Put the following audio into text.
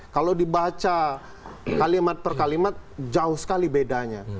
kalau dibaca kalimat per kalimat jauh sekali bedanya